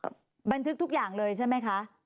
บันทึกทุกอย่างเลยใช่ไหมคะ